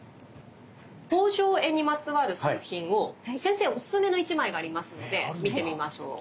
放生会にまつわる作品を先生オススメの一枚がありますので見てみましょう。